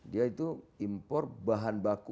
dia itu impor bahan baku